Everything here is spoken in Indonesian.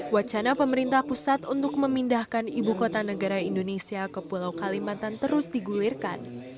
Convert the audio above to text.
wacana pemerintah pusat untuk memindahkan ibu kota negara indonesia ke pulau kalimantan terus digulirkan